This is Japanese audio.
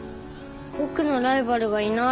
僕のライバルがいない。